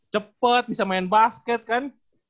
cepat bisa main basket kan